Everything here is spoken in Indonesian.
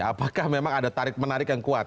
apakah memang ada tarik menarik yang kuat